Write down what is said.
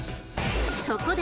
そこで！